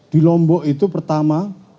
di lombok itu pertama